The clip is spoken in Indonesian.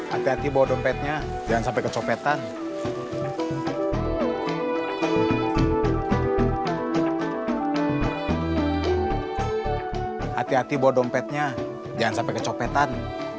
hati hati bawa dompetnya jangan sampai kecopetan